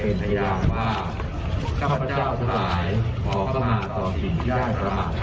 นะครับ